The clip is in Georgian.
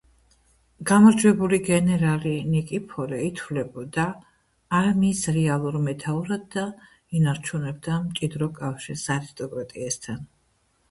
გამარჯვებული გენერალი ნიკიფორე ითვლებოდა არმიის რეალურ მეთაურად და ინარჩუნებდა მჭიდრო კავშირს არისტოკრატიასთან.